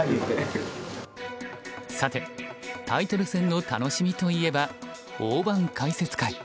さてタイトル戦の楽しみといえば大盤解説会。